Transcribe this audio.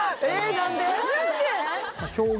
何で？